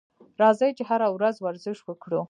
راځئ چې هره ورځ ورزش وکړو.